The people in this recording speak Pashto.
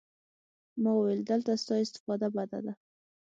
ما وويل دلته ستا استفاده بده ده.